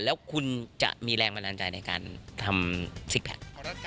แล้วคุณจะมีแรงบันดาลใจในการทำซิกแพค